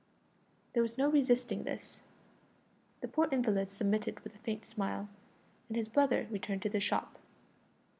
There was no resisting this. The poor invalid submitted with a faint smile, and his brother returned to the shop.